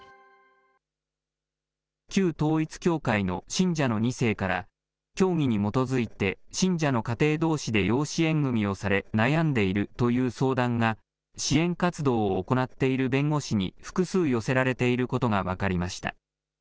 旧統一教会の信者の２世から、教義に基づいて信者の家庭どうしで養子縁組みをされ、悩んでいるという相談が支援活動を行っている弁護士に、複数寄せられていることが分かりました。